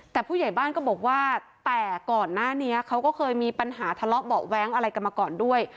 แต่ผู้ใหญ่บ้านก็บอกว่าแต่ก่อนหน้านี้เขาก็เคยมีปัญหาทะเลาะเบาะแว้งอะไรกันมาก่อนด้วย